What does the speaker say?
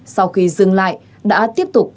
sau khi dừng lại đã tiếp tục